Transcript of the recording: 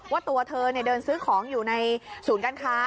ว่าตัวเธอเดินซื้อของอยู่ในศูนย์การค้า